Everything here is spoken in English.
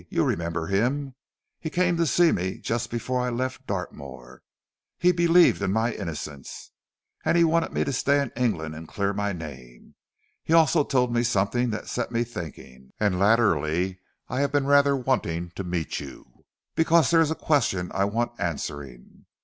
You remember him? He came to see me just before I left Dartmoor. He believed in my innocence, and he wanted me to stay in England and clear my name. He also told me something that set me thinking, and latterly I have been rather wanting to meet you, because there is a question I want answering."